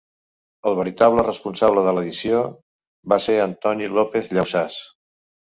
El veritable responsable de l'edició va ser Antoni López Llausàs.